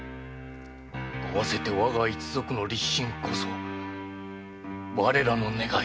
あわせて我が一族の立身こそ我らの願い。